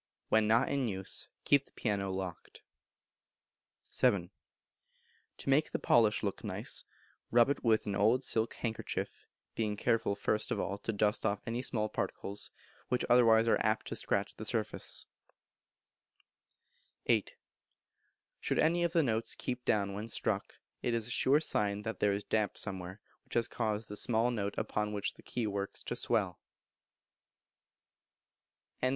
When not in use keep the piano locked. vii. To make the polish look nice, rub it with an old silk handkerchief, being careful first of all to dust off any small particles, which otherwise are apt to scratch the surface. viii. Should any of the notes keep down when struck, it is a sure sign that there is damp somewhere, which has caused the small note upon which the key works to swell. 249. Gardening Operations for the Year. 250. January.